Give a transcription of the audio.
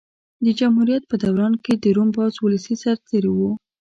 د جمهوریت په دوران کې د روم پوځ ولسي سرتېري وو